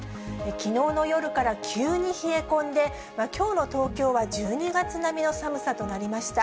きのうの夜から急に冷え込んで、きょうの東京は１２月並みの寒さとなりました。